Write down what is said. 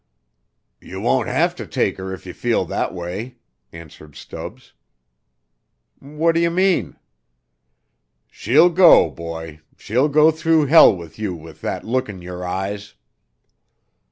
"You won't have to take her, if you feel that way," answered Stubbs. "What d' you mean?" "She'll go, boy she'll go through Hell with you with thet look in your eyes."